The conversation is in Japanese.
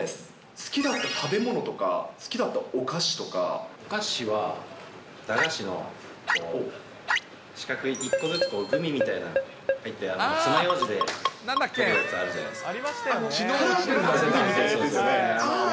好きだった食べ物とか、好きだっお菓子は、駄菓子の四角い１個ずつグミみたいな入った、つまようじで取るやつあるじゃないですか。